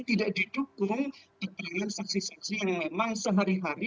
tidak didukung dengan saksi saksi yang memang sehari hari